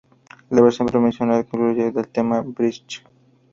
La versión promocional incluye sólo el tema "Brigitte".